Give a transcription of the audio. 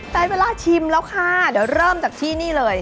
ได้เวลาชิมแล้วค่ะเดี๋ยวเริ่มจากที่นี่เลย